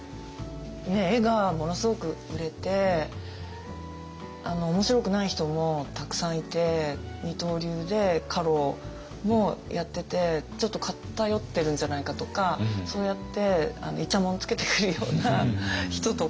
絵がものすごく売れて面白くない人もたくさんいて二刀流で家老もやっててちょっと偏ってるんじゃないかとかそうやっていちゃもんつけてくるような人とか。